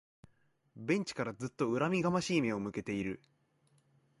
ベンチからずっと恨みがましい目を向けている